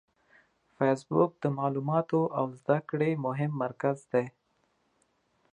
فېسبوک د معلوماتو او زده کړې مهم مرکز دی